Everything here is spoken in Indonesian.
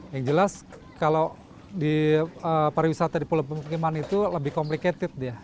yang jelas kalau para wisata di pulau pemungkiman itu lebih komplikatif ya